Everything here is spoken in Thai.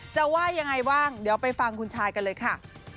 ว่ายังไงบ้างเดี๋ยวไปฟังคุณชายกันเลยค่ะ